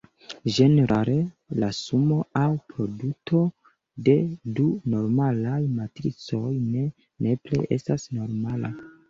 Ĝenerale, la sumo aŭ produto de du normalaj matricoj ne nepre estas normala.